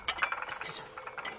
失礼します。